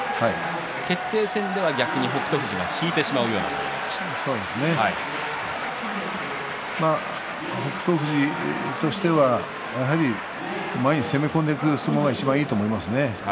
決定戦では逆に北勝富士が北勝富士としてはやはり前に攻め込んでいく相撲がいいと思いますね。